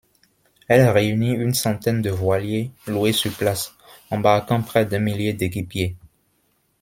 Elle réunit une centaine de voiliers, loués sur place, embarquant près d'un millier d'équipiers.